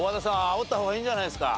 あおった方がいいんじゃないですか？